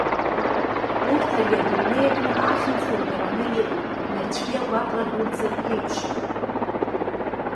Урҭ ари адунеи аҟны ахьымӡӷ ргараны иҟоуп, нарцәгьы агәаҟра дуӡӡа рԥеиԥшуп.